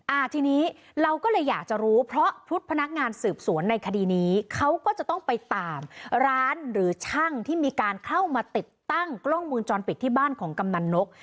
อ่าทีนี้เราก็เลยอยากจะรู้เพราะชุดพนักงานสืบสวนในคดีนี้เขาก็จะต้องไปตามร้านหรือช่างที่มีการเข้ามาติดตั้งกล้องมูลจรปิดที่บ้านของกำนันนก